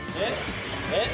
えっ？